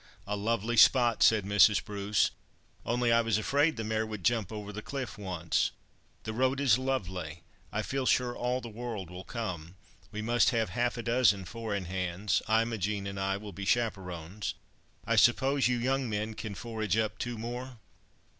'" "A lovely spot," said Mrs. Bruce; "only I was afraid the mare would jump over the cliff once. The road is lovely; I feel sure all the world will come. We must have half a dozen four in hands—Imogen and I will be chaperons. I suppose you young men can forage up two more?"